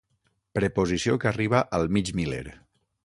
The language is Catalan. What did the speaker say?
Preposició que arriba al mig miler.